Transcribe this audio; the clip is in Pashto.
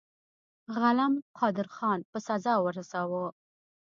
غلم قادرخان په سزا ورساوه.